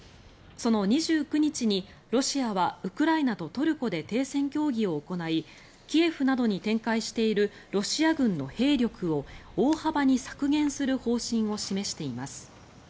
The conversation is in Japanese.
その２９日にロシアはウクライナとトルコで停戦協議を行いキエフなどに展開しているロシア軍の兵力を大幅に削減する方針を示しています。